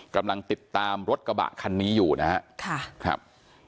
กำลังติดตามรถกระบะคันนี้อยู่นะครับ